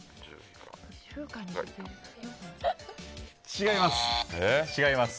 違います。